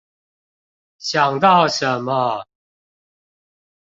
想到什麼